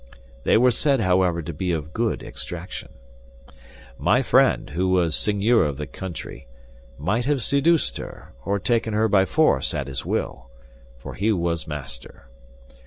They were said, however, to be of good extraction. My friend, who was seigneur of the country, might have seduced her, or taken her by force, at his will—for he was master.